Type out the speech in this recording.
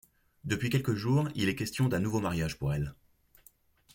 Depuis quelques jours, il est question d’un nouveau mariage pour elle.